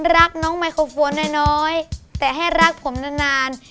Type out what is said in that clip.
รักน้องไมโครโฟนน้อยแต่ให้รักผมนาน